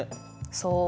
そう。